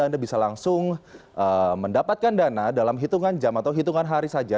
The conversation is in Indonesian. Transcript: anda bisa langsung mendapatkan dana dalam hitungan jam atau hitungan hari saja